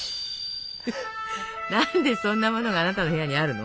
何でそんなものがあなたの部屋にあるの？